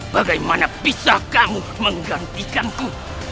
bagaimana bisa kamu menggantikanku